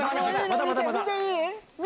まだまだまだ。